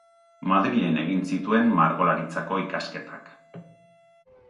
Madrilen egin zituen Margolaritzako ikasketak.